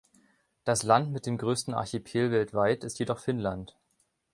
Das Land mit dem größten Archipel weltweit ist jedoch Finnland.